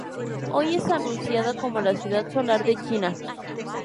Hoy es anunciada como la Ciudad Solar de China.